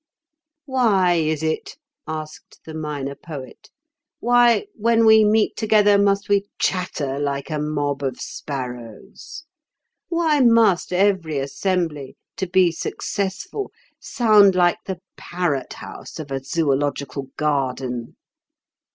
'" "Why is it?" asked the Minor Poet. "Why, when we meet together, must we chatter like a mob of sparrows? Why must every assembly to be successful sound like the parrot house of a zoological garden?"